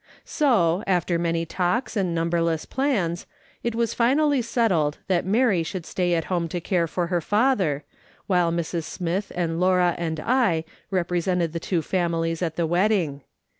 So, after many talks and numberless plans, it was finally settled that Mary should stay at home to care for her father, while Mrs. Smith and Laura and I represented the two families at the wedding.